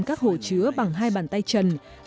các hồ chứa bằng hai bàn tay trần